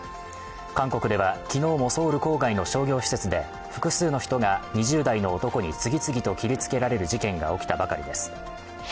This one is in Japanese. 韓国では昨日もソウル郊外の商業施設で複数の人が２０代の男に次々と切りつけられる事件が起きたばかりです。